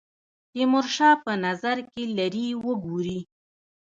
تیمورشاه په نظر کې لري وګوري.